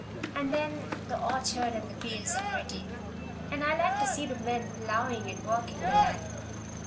And then, the orchard and the fields are pretty. And I like to see the men ploughing and working the land.